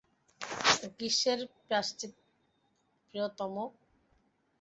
কিসের প্রায়শ্চিত্ত প্রিয়তম?